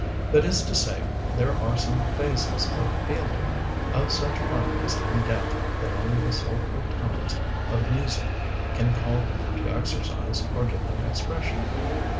That is to say, there are some phases of feeling of such fineness and depth, that only the soulful tones of music can call them into exercise, or give them expression.